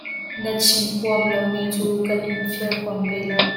Na chim huam lomi cu kan in fial huam ve lo.